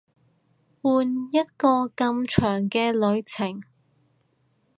換一個咁長嘅旅程